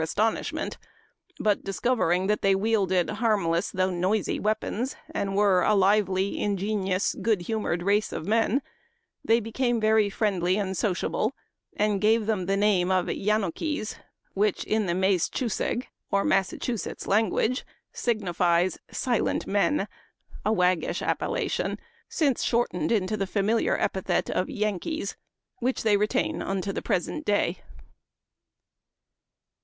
astonishment, but discovering that they wielded harmless though noisy weapons, and were a lively, ingenious, good humored race of men, they became very friendly and sociable, and gave them the name of Yanokies, which in the Mais Tchusaeg (or Massachusetts) language signifies silent men, a waggish appellation, since shortened into the familiar epithet of Yankees, which they retain unto the present day."